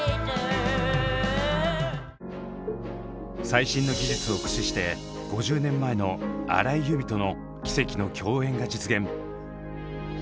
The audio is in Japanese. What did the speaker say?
最新の技術を駆使して５０年前の荒井由実との奇跡の共演が実現！